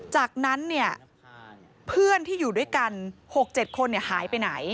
จากนั้นเนี่ยเพื่อนที่อยู่ด้วยกัน๖๗คนหายไปไหน